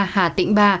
hà tĩnh ba